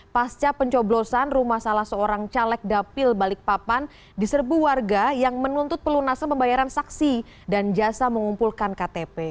pasca pencoblosan rumah salah seorang caleg dapil balikpapan diserbu warga yang menuntut pelunasan pembayaran saksi dan jasa mengumpulkan ktp